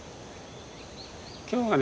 今日はね